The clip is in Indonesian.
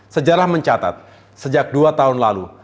sejarah mencatat sejak dua tahun lalu